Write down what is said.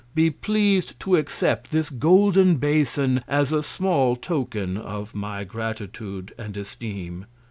Be pleas'd to accept this Golden Bason as a small Token of my Gratitude and Esteem.